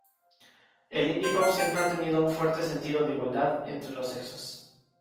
El indie pop siempre ha tenido un fuerte sentido de igualdad entre los sexos.